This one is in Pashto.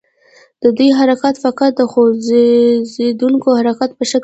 د دوی حرکت فقط د خوځیدونکي حرکت په شکل وي.